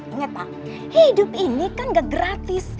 ingat pak hidup ini kan gak gratis